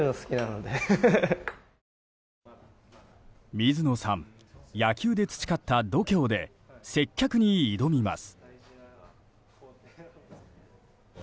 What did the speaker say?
水野さん、野球で培った度胸で接客に挑みます。